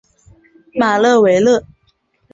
马勒维勒。